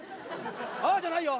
「あ！」じゃないよ！